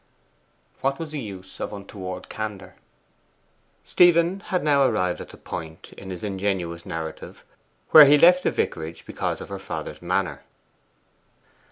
What was the use of untoward candour? Stephen had now arrived at the point in his ingenuous narrative where he left the vicarage because of her father's manner.